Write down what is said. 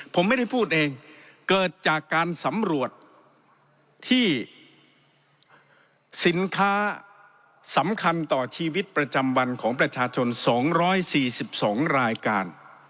ผมไม่ได้พูดเองเกิดจากการสำรวจที่สินค้าสำคัญต่อชีวิตประจำวันของประชาชน๒๔๒รายการ